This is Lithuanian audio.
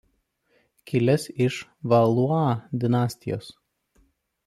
Kilęs iš Valua dinastijos.